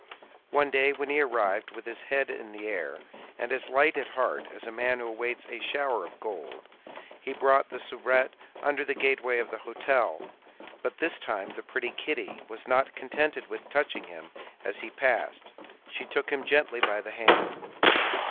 One day, when he arrived with his head in the air, and as light at heart as a man who awaits a shower of gold, he found the soubrette under the gateway of the hôtel; but this time the pretty Kitty was not contented with touching him as he passed, she took him gently by the hand.